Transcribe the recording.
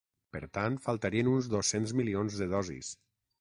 Per tant, faltarien uns dos-cents milions de dosis.